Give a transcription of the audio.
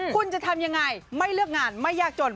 คุณจะทำยังไงไม่เลือกงานไม่ยากจน